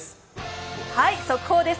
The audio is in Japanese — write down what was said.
速報です。